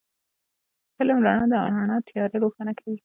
علم رڼا ده، او رڼا تیار روښانه کوي